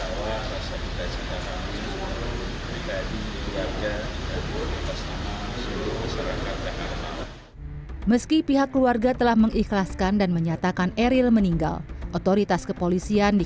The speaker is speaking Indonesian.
hai hai hai meski pihak keluarga telah mengikhlaskan dan menyatakan eril meninggal otoritas kepolisian di